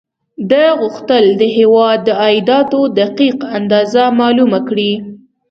ده غوښتل د هېواد د عایداتو دقیق اندازه معلومه کړي.